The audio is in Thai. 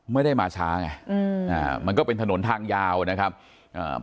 ไม่ได้มาช้าไงอืมอ่ามันก็เป็นถนนทางยาวนะครับอ่า